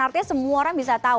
artinya semua orang bisa tahu